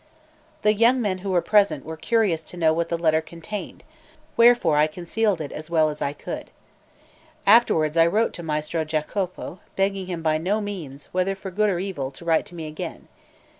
The young men who were present were curious to know what the letter contained; wherefore I concealed it as well as I could. Afterwards I wrote to Maestro Giacopo, begging him by no means, whether for good or evil, to write to me again.